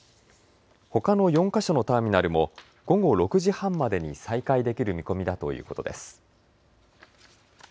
ほかの４か所のターミナルも午後６時半までに再開できる見込みだということです。